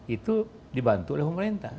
itu dibantu oleh pemerintah